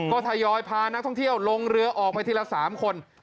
ก็ทยอยพานักท่องเที่ยวลงเรือออกไปทีละ๓คน